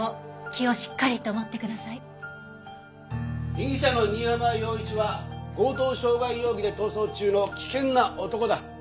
被疑者の新浜陽一は強盗傷害容疑で逃走中の危険な男だ。